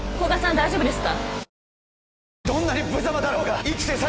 大丈夫ですか？